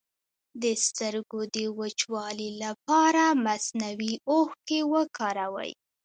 د سترګو د وچوالي لپاره مصنوعي اوښکې وکاروئ